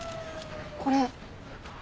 これ。